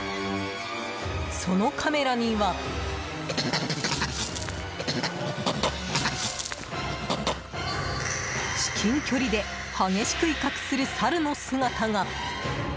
そのカメラには至近距離で激しく威嚇するサルの姿が。